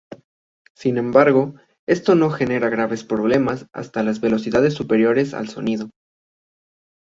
Sin embargo este no genera graves problemas hasta velocidades superiores al sonido.